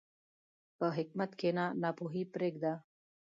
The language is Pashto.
په حکمت کښېنه، ناپوهي پرېږده.